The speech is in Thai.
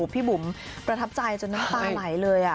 พี่บุ๋มประทับใจจนน้ำตาไหลเลย